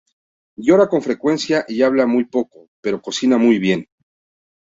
Llora con frecuencia y habla muy poco, pero cocina muy bien.